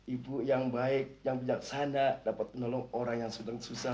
ibu yang baik yang bijaksana dapat menolong orang yang sedang susah